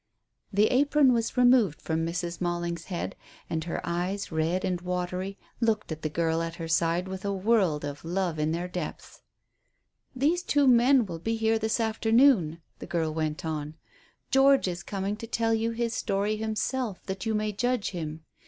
The apron was removed from Mrs. Malling's head, and her eyes, red and watery, looked at the girl at her side with a world of love in their depths. "These two men will be here this afternoon," the girl went on. "George is coming to tell you his story himself, that you may judge him.